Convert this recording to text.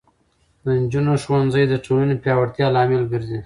د نجونو ښوونځی د ټولنې پیاوړتیا لامل ګرځي.